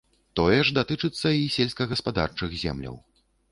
Тое ж датычыцца і сельскагаспадарчых земляў.